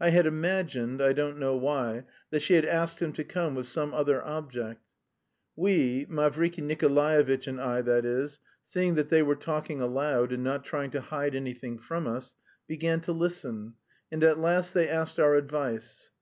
I had imagined, I don't know why, that she had asked him to come with some other object. We, Mavriky Nikolaevitch and I that is, seeing that they were talking aloud and not trying to hide anything from us, began to listen, and at last they asked our advice.